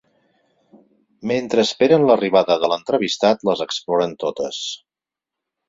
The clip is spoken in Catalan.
Mentre esperen l'arribada de l'entrevistat les exploren totes.